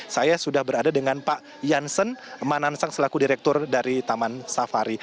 saya sudah berada dengan pak jansen manansang selaku direktur dari taman safari